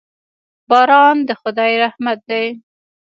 باران د خدای رحمت دی.